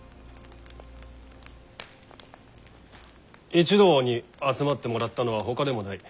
一同に集まってもらったのはほかでもない。